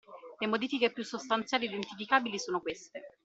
Le modifiche più sostanziali identificabili sono queste.